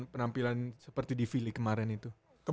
penampilan seperti di v league kemarin itu